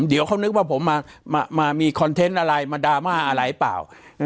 เดี๋ยวเขานึกว่าผมมามีคอนเทนต์อะไรมาดราม่าอะไรเปล่า